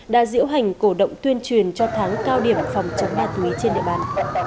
đã diễu hành cổ động tuyên truyền cho tháng cao điểm phòng chống ma túy trên địa bàn